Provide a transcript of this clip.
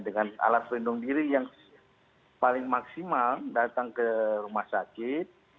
dengan alat pelindung diri yang paling maksimal datang ke rumah sakit